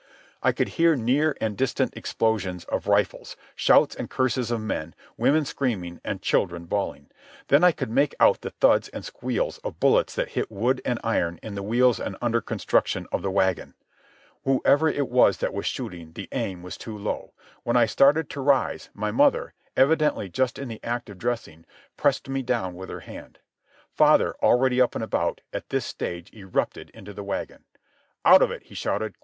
I could hear near and distant explosions of rifles, shouts and curses of men, women screaming, and children bawling. Then I could make out the thuds and squeals of bullets that hit wood and iron in the wheels and under construction of the wagon. Whoever it was that was shooting, the aim was too low. When I started to rise, my mother, evidently just in the act of dressing, pressed me down with her hand. Father, already up and about, at this stage erupted into the wagon. "Out of it!" he shouted.